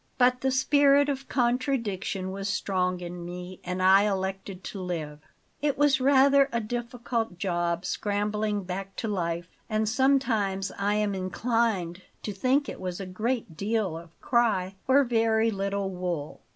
But the spirit of contradiction was strong in me and I elected to live. It was rather a difficult job scrambling back to life, and sometimes I am inclined to think it was a great deal of cry for very little wool.